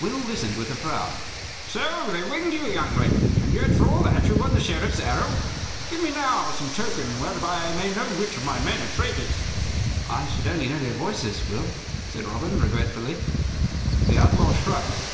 Will listened with a frown. "So they winged you, youngling, and yet for all that you won the Sheriff's arrow? Give me now some token whereby I may know which of my men are traitors." "I should only know their voices, Will," said Robin, regretfully. The outlaw shrugged.